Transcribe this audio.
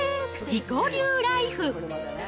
自己流ライフ。